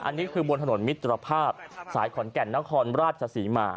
อันนี้คือบนถนนมิตรภาพสายขอนแก่นนครราชศรีมา